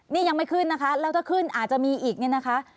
นี่ยังไม่ขึ้นนะคะแล้วถ้าขึ้นอาจจะมีอีกเนี่ยนะคะ